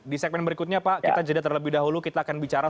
di segmen berikutnya pak kita jeda terlebih dahulu kita akan bicara